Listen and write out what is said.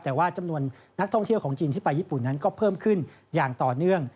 แต่ว่าจำนวนนักท่องเที่ยวของจีนที่ไปญี่ปุ่นนั้นก็เพิ่มขึ้นอย่างต่อเนื่อง